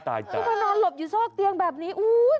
รับแจ้งก็มาถึงนี่แหละนี่แหละ